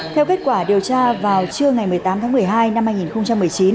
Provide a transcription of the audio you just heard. theo kết quả điều tra vào trưa ngày một mươi tám tháng một mươi hai năm hai nghìn một mươi chín